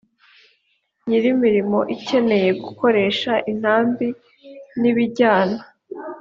nyir imirimo ikeneye gukoresha intambi n ibijyana